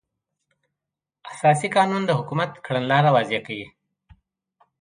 اساسي قانون د حکومت کړنلاره واضح کوي.